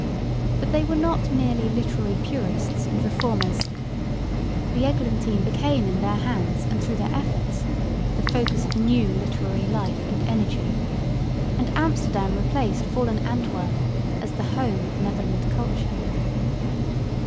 But they were not merely literary purists and reformers; the "Eglantine" became in their hands and through their efforts the focus of new literary life and energy, and Amsterdam replaced fallen Antwerp as the home of Netherland culture.